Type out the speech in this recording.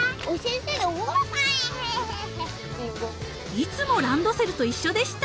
［いつもランドセルと一緒でした］